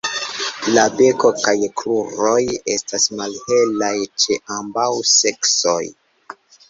La beko kaj kruroj estas malhelaj ĉe ambaŭ seksoj.